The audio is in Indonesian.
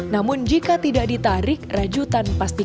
namun jika tidak ditarik rajutan pastikan